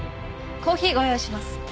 コーヒーご用意します。